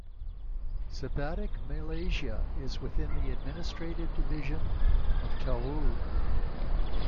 Sebatik Malaysia is within the administrative division of Tawau.